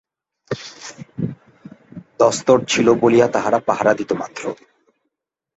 দস্তুর ছিল বলিয়া তাহারা পাহারা দিত মাত্র।